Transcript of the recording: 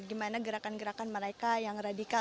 gimana gerakan gerakan mereka yang radikal